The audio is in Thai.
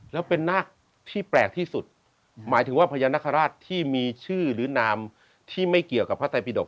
แล้วเป็นนาคที่แปลกที่สุดหมายถึงว่าพญานาคาราชที่มีชื่อหรือนามที่ไม่เกี่ยวกับพระไตปิดก